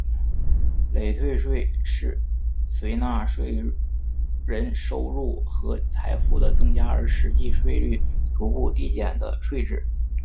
累退税是随纳税人收入和财富的增加而实际税率逐步递减的税制。